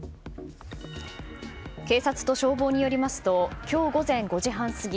警察と消防によりますと今日午前５時半過ぎ